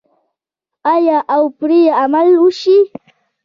آیا او پرې عمل وشي؟